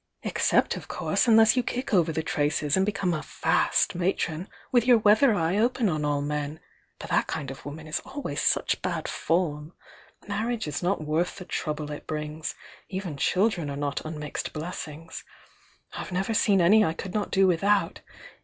Except, of course, unless you kick over the traces and become a 'fast' matron with your weather eye open on all men, — but that kind of woman is al ways such bad form. Marriage b not worth the trouble it brings, — even children are not unmixed blessings. I've never seen any I could not do with out!